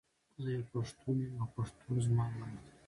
زۀ یو پښتون یم او پښتو زما مور ده.